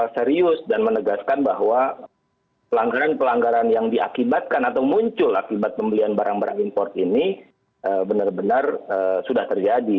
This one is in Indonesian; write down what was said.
serius dan menegaskan bahwa pelanggaran pelanggaran yang diakibatkan atau muncul akibat pembelian barang barang impor ini benar benar sudah terjadi